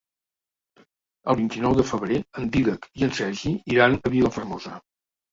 El vint-i-nou de febrer en Dídac i en Sergi iran a Vilafermosa.